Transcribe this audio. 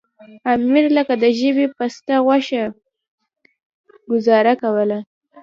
امیر لکه د ژبې پسته غوښه ګوزاره کوله.